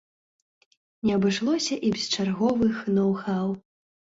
Не абышлося і без чарговых ноў-хаў.